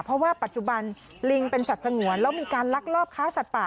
เพราะว่าปัจจุบันลิงเป็นสัตว์สงวนแล้วมีการลักลอบค้าสัตว์ป่า